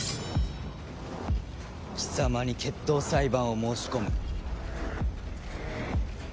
貴様に決闘裁判を申し込む。